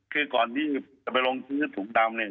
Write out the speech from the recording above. คือก่อนที่จะไปลงซื้อถุงดำเนี่ย